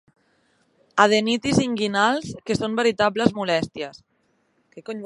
Adenitis inguinals que són veritables molèsties.